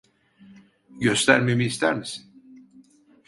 Göstermemi ister misin?